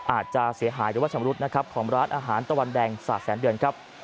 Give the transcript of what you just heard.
อาจจะเสียหายหรือว่าชำรุดนะครับของร้านอาหารตะวันแดงสะแสนเดือนครับ